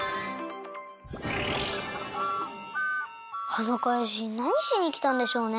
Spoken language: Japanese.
あのかいじんなにしにきたんでしょうね？